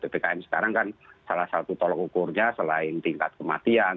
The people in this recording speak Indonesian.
ppkm sekarang kan salah satu tolok ukurnya selain tingkat kematian